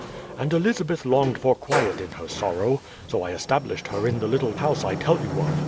And Elizabeth longed for quiet in her sorrow, so I established her in the little house I tell you of.